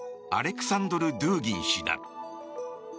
アレクサンドル・ドゥーギン氏だ。